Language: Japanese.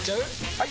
・はい！